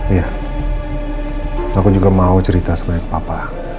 iya aku juga mau cerita soal ini ke papa